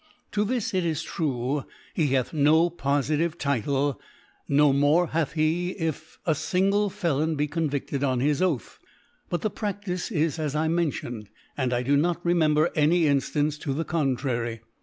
To this, it is true, he hath na fofitive Title, no more hath he, if a fingle elon be convicted on his Oath. But the Praftice is as I mention, and I do not re member any Inftance to the contrary.